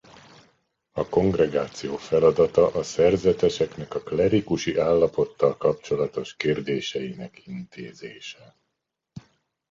A kongregáció feladata a szerzeteseknek a klerikusi állapottal kapcsolatos kérdéseinek intézése.